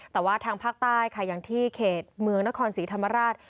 แต่ว่าทางภาคใต้ค่ะอย่างที่เขตเมืองนครศรีธรรมราช